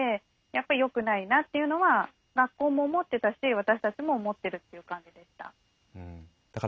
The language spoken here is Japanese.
やっぱりよくないなっていうのは学校も思ってたし私たちも思ってるという感じでした。